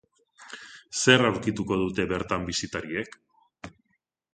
Zer aurkituko dute bertan bisitariek?